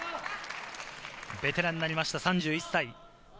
ベテランになりました、３１歳。